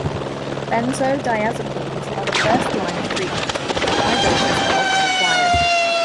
Benzodiazepines are the first line of treatment, and high doses are often required.